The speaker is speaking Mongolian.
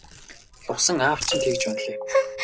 Лувсан аав чинь ч тэгж байна билээ.